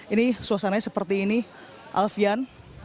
ini suasananya seperti ini alfian